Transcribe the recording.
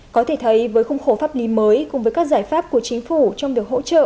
có thể thấy với khung khổ pháp lý mới cùng với các giải pháp của chính phủ trong việc hỗ trợ